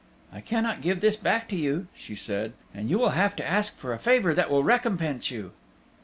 "I cannot give this back to you," she said, "and you will have to ask for a favor that will recompense you."